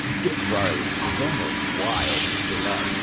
Dick Varley was almost wild with delight.